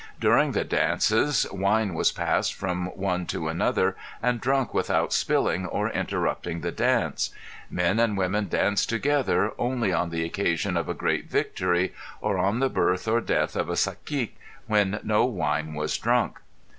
During the dances wine was passed from one to another and drunk without spilling or interrupting the dance. Men and women danced together only on the occasion of a great victory or on the birth or death of a cacique, when no wine was drunk.